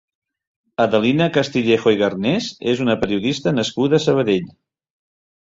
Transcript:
Adelina Castillejo i Garnés és una periodista nascuda a Sabadell.